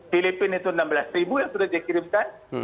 filipina itu enam belas ribu yang sudah dikirimkan